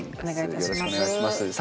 お願いいたします。